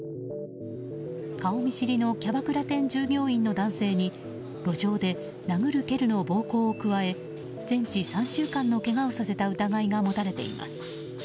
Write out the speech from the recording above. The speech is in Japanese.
顔見知りのキャバクラ店従業員の男性に路上で殴る蹴るの暴行を加え全治３週間のけがをさせた疑いが持たれています。